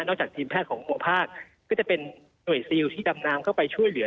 จากทีมแพทย์ของหมู่ภาคก็จะเป็นหน่วยซิลที่ดำน้ำเข้าไปช่วยเหลือ